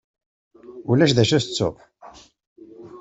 Ulac d acu tettuḍ?